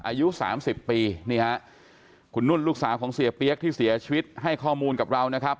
อายุสามสิบปีนี่ฮะคุณนุ่นลูกสาวของเสียเปี๊ยกที่เสียชีวิตให้ข้อมูลกับเรานะครับ